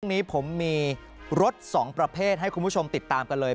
นี้ผมมีรถสองประเภทให้คุณผู้ชมติดตามกันเลย